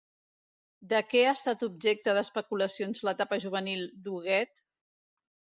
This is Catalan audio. De què ha estat objecte d'especulacions l'etapa juvenil d'Huguet?